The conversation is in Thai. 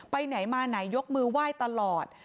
ไปไหนมาไหนยกมือไหว้ตลอด